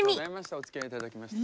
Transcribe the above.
おつきあいいただきまして。